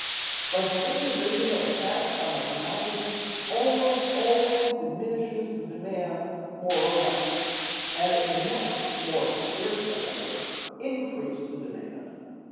"But the imposition of a tax on a commodity almost always diminishes the demand more or less; and it can never, or scarcely ever, increase the demand.